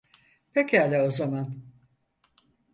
Pekala o zaman.